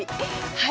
はい。